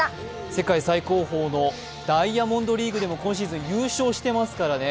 世界最高峰のダイヤモンドリーグでも今シーズン優勝してますからね。